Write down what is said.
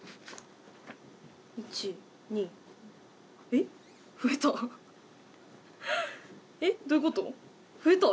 えっどういうこと？